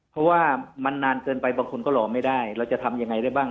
เพราะว่ามันนานเกินไปบางคนก็รอไม่ได้เราจะทำยังไงได้บ้าง